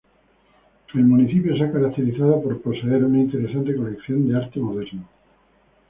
El Municipio se ha caracterizado por poseer una interesante colección de arte moderno.